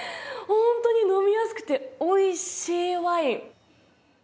本当に飲みやすくておいしいワイン！